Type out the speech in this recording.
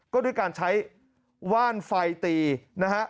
ก็ด้วยการใช้ว่านไฟตีนะฮะ